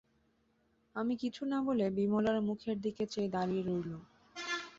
আমি কিছু না বলে বিমলার মুখের দিকে চেয়ে দাঁড়িয়ে রইলুম।